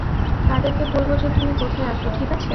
তাদেরকে বলবো যে তুমি কোথায় আছো, ঠিক আছে?